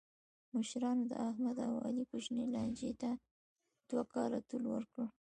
مشرانو د احمد او علي کوچنۍ لانجې ته دوه کاله طول ورکړ.